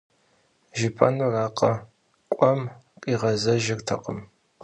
Jjıp'enurakhe, k'uem khiğezejjırtekhım.